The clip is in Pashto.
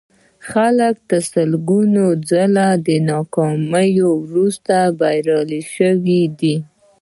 خلک تر سلګونه ځله ناکاميو وروسته بريالي شوي دي.